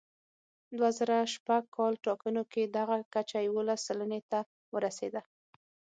دوه زره شپږ کال ټاکنو کې دغه کچه یوولس سلنې ته ورسېده.